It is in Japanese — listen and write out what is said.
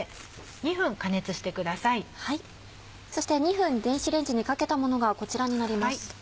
そして２分電子レンジにかけたものがこちらになります。